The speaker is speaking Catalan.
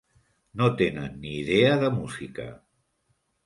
No tenen ni idea de música.